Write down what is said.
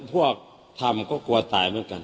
พวกทำก็กลัวตายเหมือนกัน